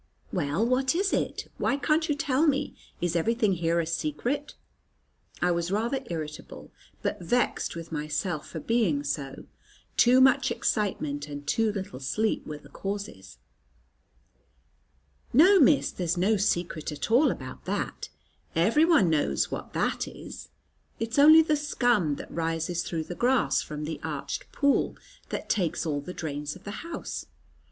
"Well, what is it? Why can't you tell me? Is everything here a secret?" I was rather irritable, but vexed with myself for being so. Too much excitement and too little sleep were the causes. "No, Miss, there's no secret at all about that. Every one knows what that is. It's only the scum that rises through the grass from the arched pool that takes all the drains of the house.